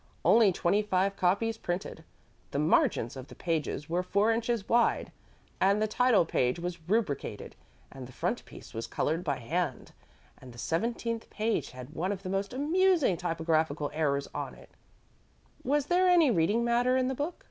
Only twenty five copies printed. The margins of the pages were four inches wide, and the title page was rubricated; the frontispiece was colored by hand, and the seventeenth page had one of the most amusing typographical errors on it " "Was there any reading matter in the book?"